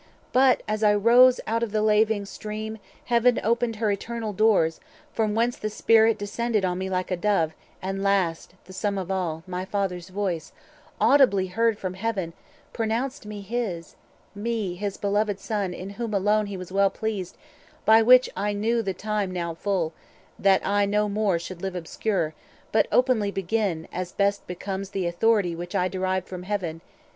But, as I rose out of the laving stream, 280 Heaven opened her eternal doors, from whence The Spirit descended on me like a Dove; And last, the sum of all, my Father's voice, Audibly heard from Heaven, pronounced me his, Me his beloved Son, in whom alone He was well pleased: by which I knew the time Now full, that I no more should live obscure, But openly begin, as best becomes The authority which I derived from Heaven.